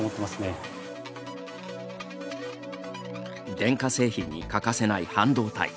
電化製品に欠かせない半導体。